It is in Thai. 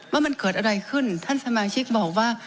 ว่ามันเกิดอะไรขึ้นท่านสมาชิกบอกว่า